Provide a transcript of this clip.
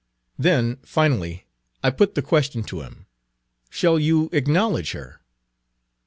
Page 23 Then, finally, I put the question to him, 'Shall you acknowledge her?'